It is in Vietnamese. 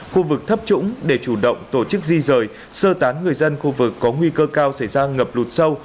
khu vực thấp trũng để chủ động tổ chức di rời sơ tán người dân khu vực có nguy cơ cao xảy ra ngập lụt sâu